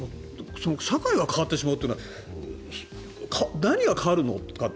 社会が変わってしまうというのは何が変わるのかって。